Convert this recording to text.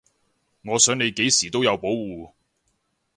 我想你幾時都有保護